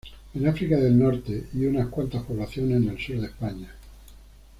En África del norte y unas cuantas poblaciones en el sur de España.